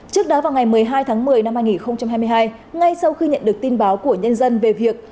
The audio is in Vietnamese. trước đó vào ngày một mươi hai tháng một mươi năm hai nghìn hai mươi hai ngay sau khi nhận được tin báo của nhân dân về việc